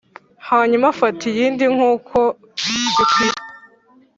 hanyuma afata iyindi, nkuko bikwiye,